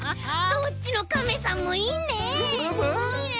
どっちのカメさんもいいね。